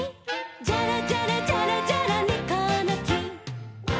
「ジャラジャラジャラジャラネコのき」